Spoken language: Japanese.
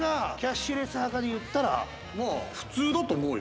まあ普通だと思うよ。